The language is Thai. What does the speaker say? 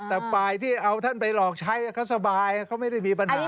แต่ฝ่ายที่เอาท่านไปหลอกใช้เขาสบายเขาไม่ได้มีปัญหา